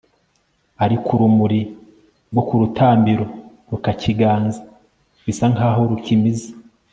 ariko urumuri rwo ku rutambiro rurakiganza bisa nk'aho rukimize